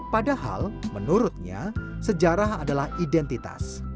padahal menurutnya sejarah adalah identitas